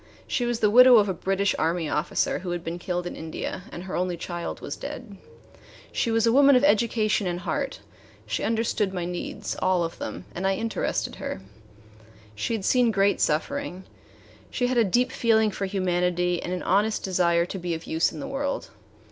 She was the widow of a British Army officer who had been killed in India, and her only child was dead. She was a woman of education and heart; she understood my needs, all of them, and I interested her. She had seen great suffering; she had a deep feeling for humanity and an honest desire to be of use in the world.